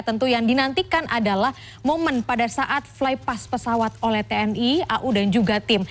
tentu yang dinantikan adalah momen pada saat flypass pesawat oleh tni au dan juga tim